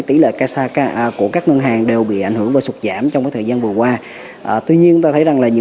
tỷ lệ kasha đứng đầu hệ thống trong suốt vài năm qua